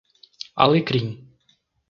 Alecrim